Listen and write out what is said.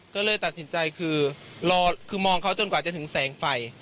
ก็เลยตัดสินใจคือรอคือมองเขาจนกว่าจะถึงแสงไฟ